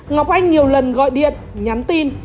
ngọc anh nhiều lần gọi điện nhắn tin